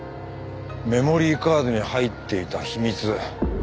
メモリーカードに入っていた秘密